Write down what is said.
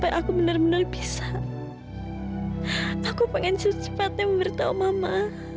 aku pengen secepatnya memberitahu mama